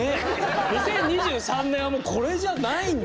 ２０２３年はもうこれじゃないんだ。